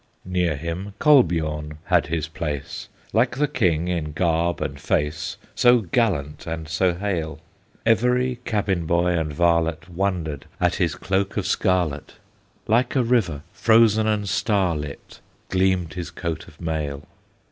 Near him Kolbiorn had his place, Like the King in garb and face, So gallant and so hale; Every cabin boy and varlet Wondered at his cloak of scarlet; Like a river, frozen and star lit, Gleamed his coat of mail.